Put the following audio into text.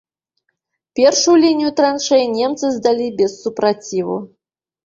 Першую лінію траншэй немцы здалі без супраціву.